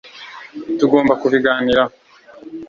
tugomba kubiganiraho